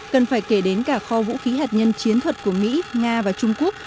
cần phải kể đến cả kho vũ khí hạt nhân chiến thuật của mỹ nga và trung quốc